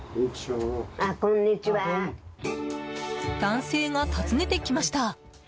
男性が訪ねてきました。